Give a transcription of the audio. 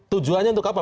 tujuannya untuk apa